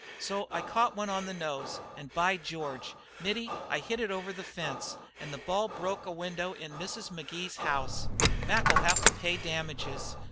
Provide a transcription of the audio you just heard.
So I caught one on the nose, and, by George! Mittie, I hit it over the fence, and the ball broke a window in Mrs. Magee's house. Mac 'll have to pay damages.